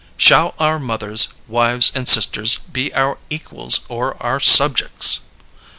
"Shall our mothers, wives, and sisters be our equals or our subjects?"